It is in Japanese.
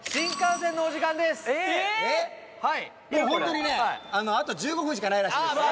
いやホントにねあと１５分しかないらしいですああ